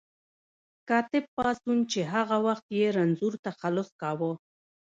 کاتب پاڅون چې هغه وخت یې رنځور تخلص کاوه.